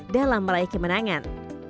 dalam meraih kemenangan